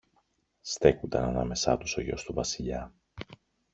στέκουνταν ανάμεσα τους ο γιος του Βασιλιά.